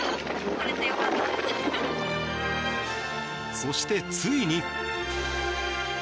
そして、ついに。